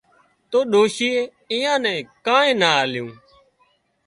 تو ڏوشيئي ايئان نين ڪانئين نا آليون